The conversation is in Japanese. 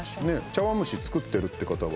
茶わん蒸し作ってるって方は。